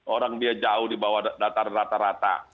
orang dia jauh dibawah datar rata rata